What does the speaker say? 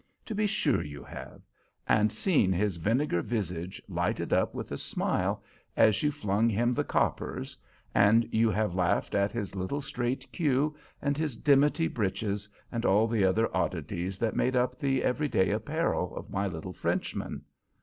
To be sure you have; and seen his vinegar visage lighted up with a smile as you flung him the coppers; and you have laughed at his little straight queue and his dimity breeches, and all the other oddities that made up the everyday apparel of my little Frenchman.